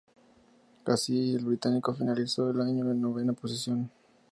Así, el británico finalizó el año en novena posición.